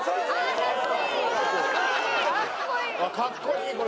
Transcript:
かっこいいこれ。